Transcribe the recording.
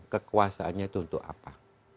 kekuasaannya itu untuk apa